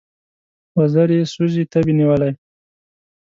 وزر یې سوزي تبې نیولی